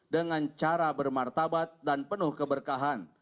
dengan cara bermartabat dan penuh keberkahan